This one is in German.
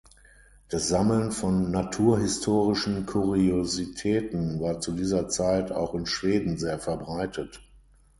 Das Sammeln von naturhistorischen Kuriositäten war zu dieser Zeit auch in Schweden sehr verbreitet.